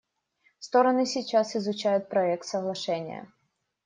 Стороны сейчас изучают проект соглашения.